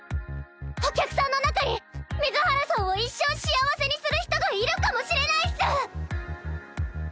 お客さんの中に水原さんを一生幸せにする人がいるかもしれないっス！